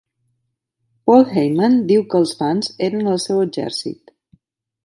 Paul Heyman diu que els fans eren el seu exèrcit.